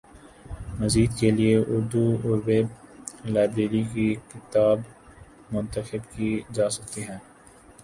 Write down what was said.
مزید کے لیے اردو ویب لائبریری کی کتب منتخب کی جا سکتی ہیں